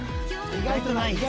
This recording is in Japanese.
意外とない。